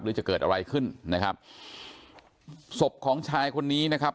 จะเกิดอะไรขึ้นนะครับศพของชายคนนี้นะครับ